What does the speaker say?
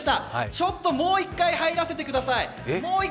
ちょっともう１回入らせてください。